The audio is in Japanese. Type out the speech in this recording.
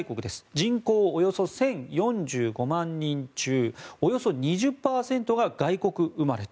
人口およそ１０４５万人中およそ２０％が外国生まれと。